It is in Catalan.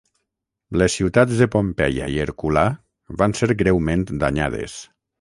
Les ciutats de Pompeia i Herculà van ser greument danyades.